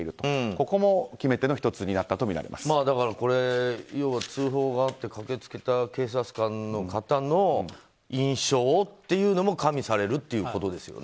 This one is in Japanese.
ここも決め手の１つになったとだから、要は通報があって駆けつけた警察官の方の印象っていうのも加味されるっていうことですよね。